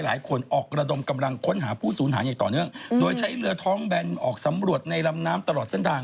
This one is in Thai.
หลายคนออกระดมกำลังค้นหาผู้สูญหายอย่างต่อเนื่องโดยใช้เรือท้องแบนออกสำรวจในลำน้ำตลอดเส้นทาง